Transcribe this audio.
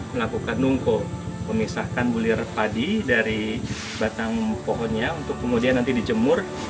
melakukan nungko memisahkan bulir padi dari batang pohonnya untuk kemudian nanti dijemur